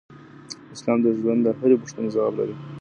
اسلام د ژوند د هرې پوښتنې ځواب لري.